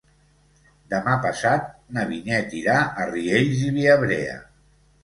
Demà passat na Vinyet irà a Riells i Viabrea.